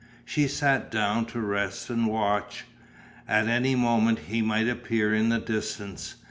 She sat down to rest and watch. At any moment he might appear in the distance.